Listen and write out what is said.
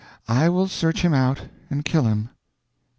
I will search him out and kill him."